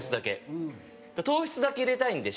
糖質だけ入れたいんで。